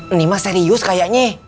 ini mah serius kayaknya